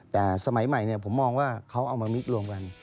แต่สมัยใหม่ผมมองว่าเขาเอามามิดรวมกัน